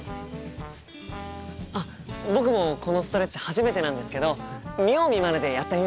あっ僕もこのストレッチ初めてなんですけど見よう見まねでやってみます。